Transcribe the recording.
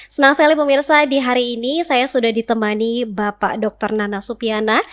senang sekali pemirsa di hari ini saya sudah ditemani bapak dr nana supiana